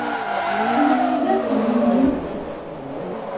შემოსილია წიწვოვანი ტყით.